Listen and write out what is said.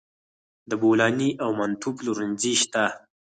د بولاني او منتو پلورنځي شته